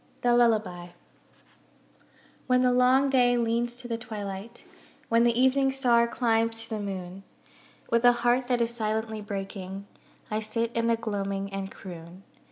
THE LULLABY When the long day leans to the twilight, When the Evening star climbs to the moon, With a heart that is silently breaking, I sit in the gloaming and croon.